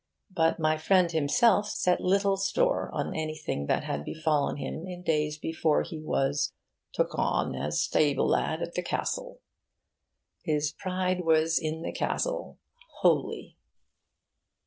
But my friend himself set little store on anything that had befallen him in days before he was 'took on as stable lad at the Castle.' His pride was in the Castle, wholly.